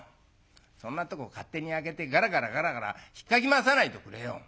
そんなとこ勝手に開けてがらがらがらがらひっかき回さないでおくれよ。